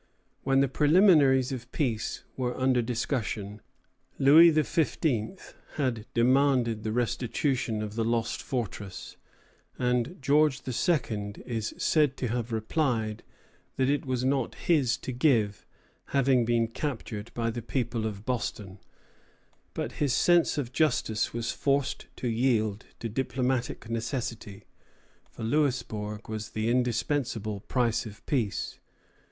When the preliminaries of peace were under discussion, Louis XV. had demanded the restitution of the lost fortress; and George II. is said to have replied that it was not his to give, having been captured by the people of Boston. [Footnote: N.Y. Col. Docs., X. 147.] But his sense of justice was forced to yield to diplomatic necessity, for Louisbourg was the indispensable price of peace.